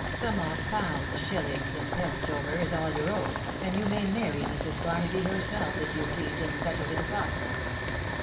some odd pounds, shillings, and pence over, is all your own, and you may marry Mrs. Barnaby herself, if you please, and settle it upon her.